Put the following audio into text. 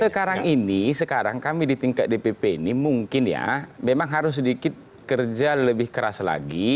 sekarang ini sekarang kami di tingkat dpp ini mungkin ya memang harus sedikit kerja lebih keras lagi